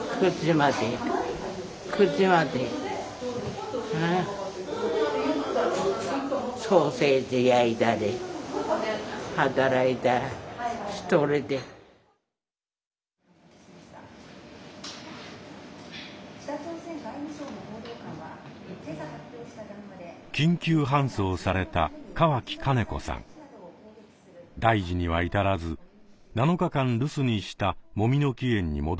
大事には至らず７日間留守にしたもみの木苑に戻ってきました。